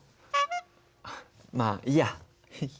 まあいいや。